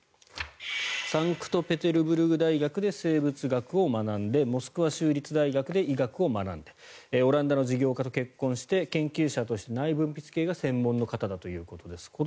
サンクトペテルブルク大学で生物学を学んでモスクワ州立大学で医学を学んでオランダの事業家と結婚して研究者として内分泌系が専門の方だということです。